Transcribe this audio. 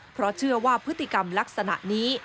เพราะเชื่อว่าพฤติกรรมลักษณะนี้